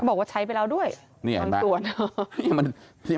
บอกว่าใช้ไปแล้วด้วยทั้งส่วน